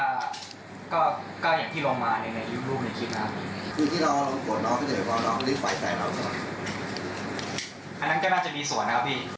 ก็ก็อย่างที่เรามาในในรูปในคลิปน่ะครับพี่ที่รอลงโกรธน้องก็จะเห็นว่าน้องน้อง